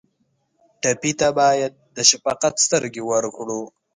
ټپي ته باید د شفقت سترګې ورکړو.